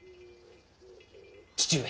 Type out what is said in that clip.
父上。